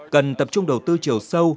cần tập trung đầu tư chiều sâu